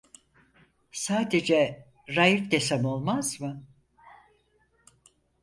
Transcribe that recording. Sadece Raif desem olmaz mı?